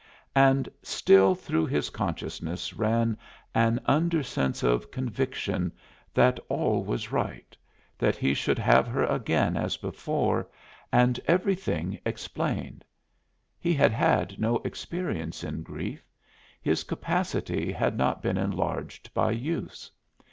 And still through his consciousness ran an undersense of conviction that all was right that he should have her again as before, and everything explained. He had had no experience in grief; his capacity had not been enlarged by use.